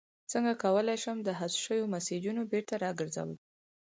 څنګه کولی شم د حذف شویو میسجونو بیرته راګرځول